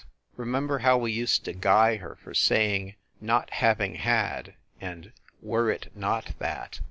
Remember how we used to guy her for saying "not having had" and "were it not that?"